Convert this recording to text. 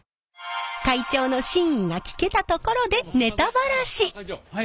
会長の真意が聞けたところでネタバラシ。